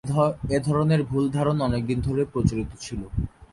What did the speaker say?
এ ধরনের ভুল ধারণা অনেকদিন ধরেই প্রচলিত ছিল।